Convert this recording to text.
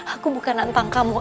aku bukan nantang kamu